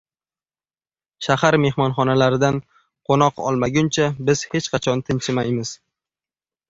shahar mehmonxonalaridan qo‘noq olmaguncha biz hech qachon tinchimaymiz.